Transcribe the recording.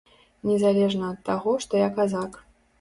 Незалежна ад таго, што я казак.